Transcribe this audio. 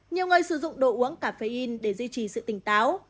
nhiều người sử dụng đồ uống cà phê in để duy trì sự tỉnh táo